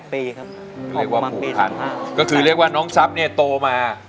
คือเรียกว่า๖พันครับก็คือเรียกว่าน้องซับเนี่ยโตมา